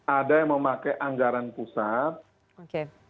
ada yang memakai anggaran pusat